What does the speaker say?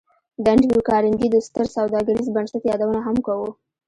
د انډریو کارنګي د ستر سوداګریز بنسټ یادونه هم کوو